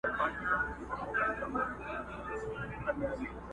چاته وايي په نړۍ کي پهلوان یې!!